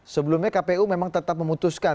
sebelumnya kpu memang tetap memutuskan